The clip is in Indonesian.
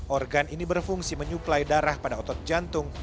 organ ini berfungsi menyuplai darah pada otot jantung